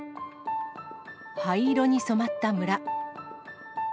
灰色に染まった村。